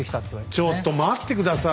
ちょっと待って下さい！